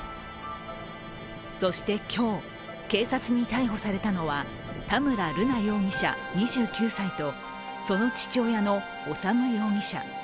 そして今日、警察に逮捕されたのは田村瑠奈容疑者２９歳とその父親の修容疑者。